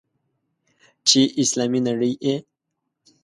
چې اسلامي نړۍ یې.